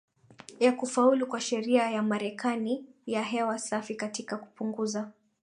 ya kufaulu kwa Sheria ya Marekani ya Hewa Safi katika kupunguza